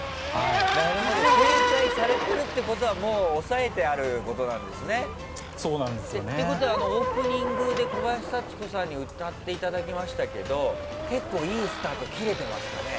警戒されてるってことはもう押さえてあることなんですね。ということはオープニングで小林幸子さんに歌っていただきましたけど結構いいスタート切れてましたかね。